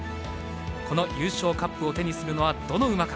この優勝カップを手にするのはどの馬か。